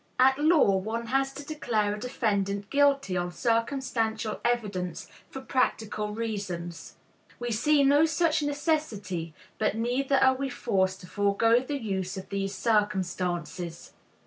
At law, one has to declare a defendant guilty on circumstantial evidence for practical reasons. We see no such necessity; but neither are we forced to forego the use of these circumstances.